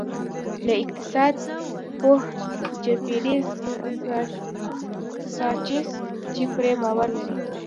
لکه اقتصاد پوه جیفري ساچس چې پرې باور لري.